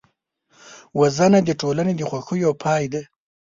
وژنه د ټولنې د خوښیو پای دی